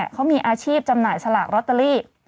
เขามีอาชีพจำหน่ายสลากลอตเตอรี่